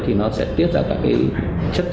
thì nó sẽ tiết ra các chất dịch